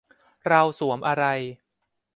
เราสวมอะไร